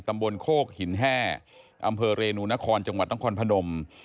ตำบลโครกหินแห้อำเภอเรนูนาคอร์จังหวัดต้องคลอนพนม